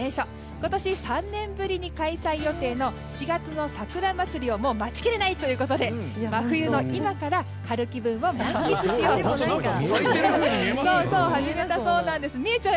今年３年ぶりに開催予定の４月の桜まつりを待ちきれないということで真冬の今から春気分を満喫しようと始めたそうなんです。